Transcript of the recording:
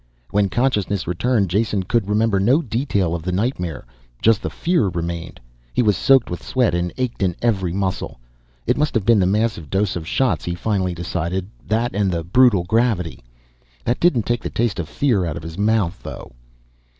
When consciousness returned Jason could remember no detail of the nightmare. Just the fear remained. He was soaked with sweat and ached in every muscle. It must have been the massive dose of shots, he finally decided, that and the brutal gravity. That didn't take the taste of fear out of his mouth, though.